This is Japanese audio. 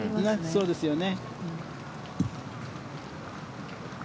そうですね。